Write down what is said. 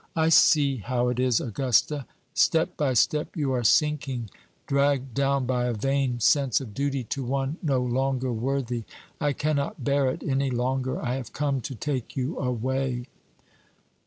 "I see how it is, Augusta; step by step, you are sinking dragged down by a vain sense of duty to one no longer worthy. I cannot bear it any longer; I have come to take you away."